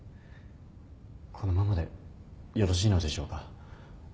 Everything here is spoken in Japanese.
このままでよろしいのでしょうか？